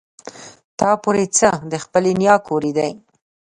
تا پورې څه د خپلې نيا کور يې دی.